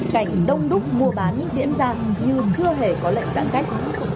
cảnh đông đúc mua bán diễn ra như chưa hề có lệnh giãn cách